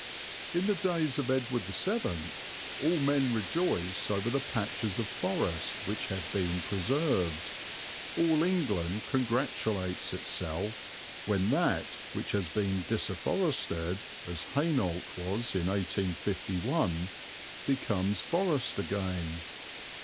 In the days of Edward VII all men rejoice over the patches of forest which have been preserved, all England congratulates itself when that which has been disafforested, as Hainault was in 1851, becomes forest again.